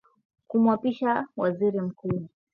kumwapisha Waziri Mkuu